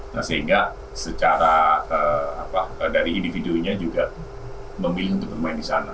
nah sehingga secara dari individunya juga memilih untuk bermain di sana